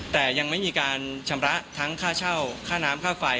แต่ยังไม่มีการชำระทั้งค่าเช่าค่าน้ำค่าไฟ